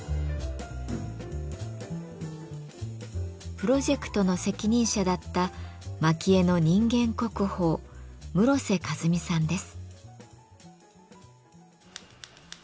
プロジェクトの責任者だった蒔絵の人間国宝室瀬和美さんです。